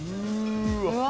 うわ。